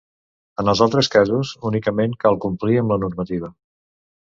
En els altres casos, únicament cal complir amb la normativa.